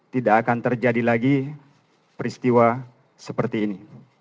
tidak akan terjadi lagi peristiwa seperti ini